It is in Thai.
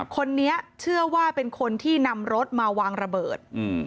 คนนี้เชื่อว่าเป็นคนที่นำรถมาวางระเบิด